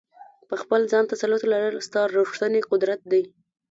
په خپل ځان تسلط لرل، ستا ریښتنی قدرت دی.